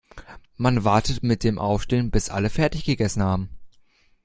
Man wartet mit dem Aufstehen, bis alle fertig gegessen haben.